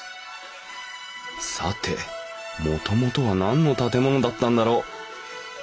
さてもともとは何の建物だったんだろう。